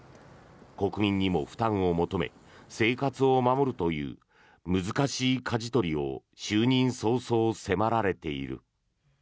国民にも負担を求め生活を守るという難しいかじ取りを就任早々迫られている。